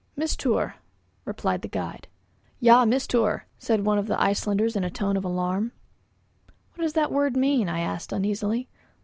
"Mistour," replied the guide. "Ja Mistour," said one of the Icelanders in a tone of alarm. "What does that word mean?" I asked uneasily.